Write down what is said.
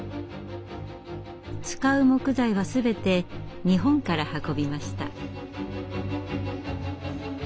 使う木材は全て日本から運びました。